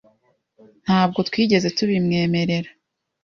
Ntabwo twigeze tubimwemerera .